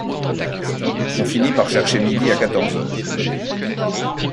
On finit par chercher midi à quatorze heures.